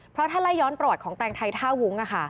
เพราะถ้าไล่ย้อนประวัติของแตงไทยท่าวุ้ง